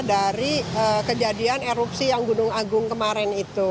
dari kejadian erupsi yang gunung agung kemarin itu